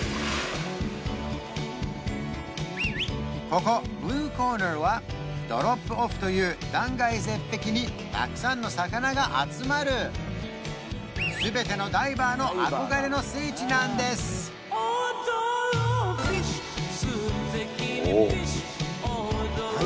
ここブルーコーナーはドロップオフという断崖絶壁にたくさんの魚が集まる全てのダイバーの憧れの聖地なんですおお何？